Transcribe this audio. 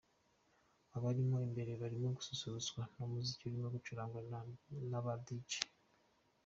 Abarimo imbere barimo gususurutswa mu muziki urimo gucurangwa n'aba Djs.